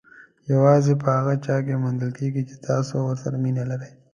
یوازې په هغه چا کې موندل کېږي چې تاسو ورسره مینه لرئ.